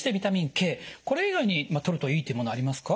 これ以外にとるといいというものありますか？